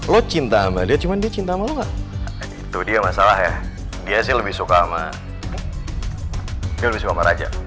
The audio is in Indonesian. lo cinta sama dia cuman dicinta mau itu dia masalah ya dia lebih suka sama